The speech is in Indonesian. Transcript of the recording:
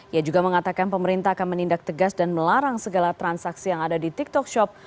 ia juga mengatakan pemerintah akan menindak tegas dan melarang segala transaksi yang ada di tiktok shop